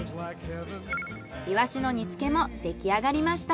イワシの煮付けも出来上がりました。